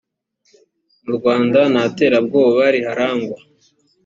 mu rwanda nta terabwoba riharagwa